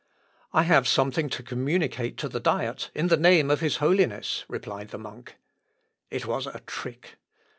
"I have something to communicate to the Diet in the name of his holiness," replied the monk. It was a trick.